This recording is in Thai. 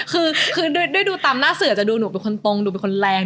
คือด้วยดูตามหน้าเสือจะดูหนูเป็นคนตรงดูเป็นคนแรง